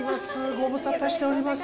ご無沙汰しております